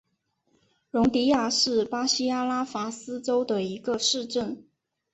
容迪亚是巴西阿拉戈斯州的一个市镇。